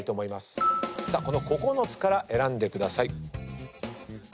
この９つから選んでください。